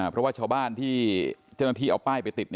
เพราะว่าชาวบ้านที่เจ้าหน้าที่เอาป้ายไปติด